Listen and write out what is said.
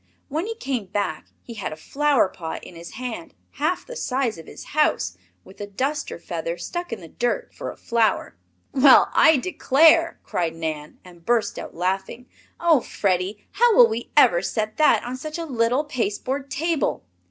When he came back he had a flower pot in his hand half the size of his house, with a duster feather stuck in the dirt, for a flower. "Well, I declare!" cried Nan, and burst out laughing. "Oh, Freddie, how will we ever set that on such a little pasteboard table?"